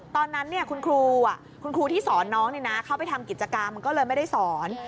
ตอนนั้นคุณครูคุณครูที่สอนน้องเข้าไปทำกิจกรรมก็เลยไม่ได้สอน